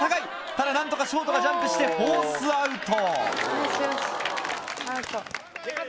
ただ何とかショートがジャンプしてフォースアウト。